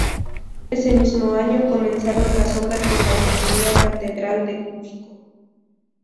Ese mismo año comenzaron las obras de la que sería catedral de Cuzco.